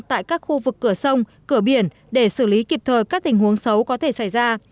tại các khu vực cửa sông cửa biển để xử lý kịp thời các tình huống xấu có thể xảy ra